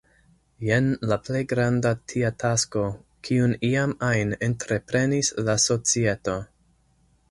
Jen la plej granda tia tasko, kiun iam ajn entreprenis la societo.